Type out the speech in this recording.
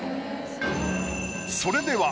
それでは。